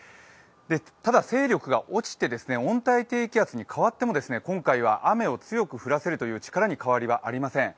ただ勢力が落ちて温帯低気圧に変わっても今回は雨を強く降らせるという力に変わりはありません。